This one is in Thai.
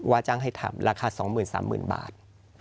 ว่าจ้างให้ทำราคา๒๐๐๐๐๓๐๐๐๐บาท